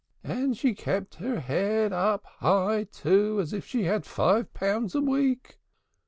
And she kept her head high up, too, as if she had five pounds a week!